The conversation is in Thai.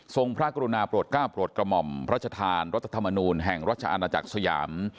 พระกรุณาโปรดก้าวโปรดกระหม่อมพระชธานรัฐธรรมนูลแห่งราชอาณาจักรสยาม